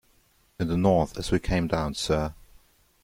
In the north as we came down, sir.